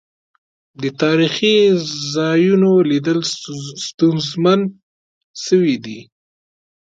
د تاريخي ځا يونوليدل ستونزمن سويدی.